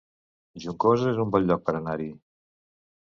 Juncosa es un bon lloc per anar-hi